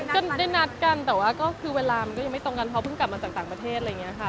ก็ได้นัดกันแต่ว่าก็คือเวลามันก็ยังไม่ตรงกันเพราะเพิ่งกลับมาจากต่างประเทศอะไรอย่างนี้ค่ะ